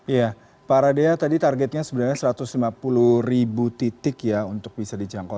ya pak radia tadi targetnya sebenarnya satu ratus lima puluh ribu titik ya untuk bisa dijangkau